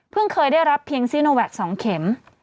เพิ่งเคยได้รับเพียงสีหน้าแววตา๒เข็ม